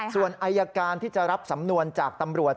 ส่วนอายการที่จะรับสำนวนจากตำรวจ